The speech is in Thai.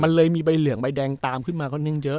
มันเลยมีใบเหลืองใบแดงตามขึ้นมาค่อนข้างเยอะ